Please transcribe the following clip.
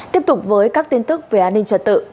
tiếp tục với các tin tức về an ninh trật tự